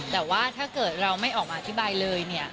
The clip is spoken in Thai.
แต่ว่าถ้าเกิดเราไม่ออกมาอธิบายเลยเนี่ย